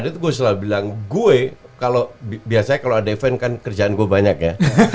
itu gue selalu bilang gue kalau biasanya kalau ada event kan kerjaan gue banyak ya